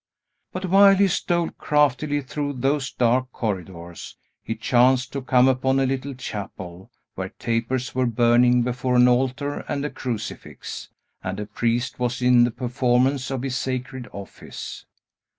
But, while he stole craftily through those dark corridors, he chanced to come upon a little chapel, where tapers were burning before an altar and a crucifix, and a priest was in the performance of his sacred office.